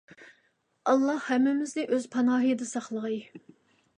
ئاللاھ ھەممىمىزنى ئۆز پاناھىدا ساقلىغاي!